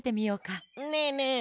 ねえねえ。